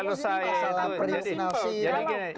kalau saya kalau kita mau